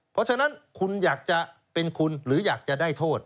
เพราะฉะนั้นคุณอยากจะเป็นคุณหรืออยากจะได้โทษ